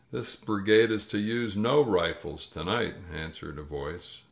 This brigade is to use no rifles to night," answered a voice.